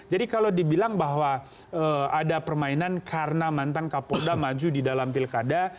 jadi kalau dibilang bahwa ada permainan karena mantan kapolda maju di dalam pilkada